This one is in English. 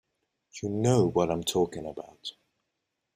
You know what I'm talking about.